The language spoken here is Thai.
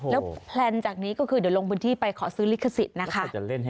แล้วแพลนจากนี้ก็คือเดี๋ยวลงพื้นที่ไปขอซื้อลิขสิทธิ์นะคะ